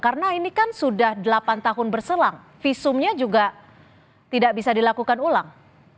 karena ini kan sudah delapan tahun berselang visumnya juga tidak bisa dilakukan ulang